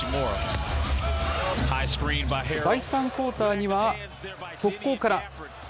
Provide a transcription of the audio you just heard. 第３クオーターには速攻から。